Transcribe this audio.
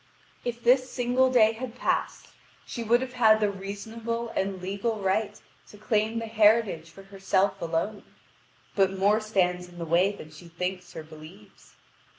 If this single day had passed, she would have had the reasonable and legal right to claim the heritage for herself alone. But more stands in the way than she thinks or believes.